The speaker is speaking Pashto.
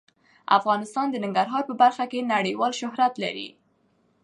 افغانستان د ننګرهار په برخه کې نړیوال شهرت لري.